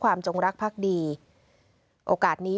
ทุนกรมอ่อมหญิงอุบลรัฐราชกัญญาสรีวัฒนาพันธวดี